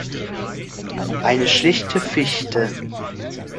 Eine schlichte Fichte.